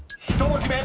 ［２文字目］